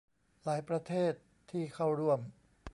หลายประเทศที่เข้าร่วม